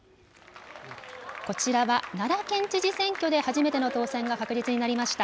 こちらは、奈良県知事選挙で初めての当選が確実になりました